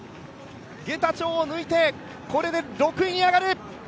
ゲタチョウを抜いて、これで６位に上がる！